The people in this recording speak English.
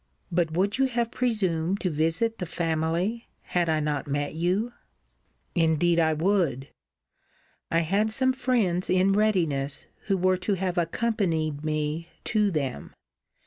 But would you have presumed to visit the family, had I not met you? Indeed I would. I had some friends in readiness, who were to have accompanied me to them.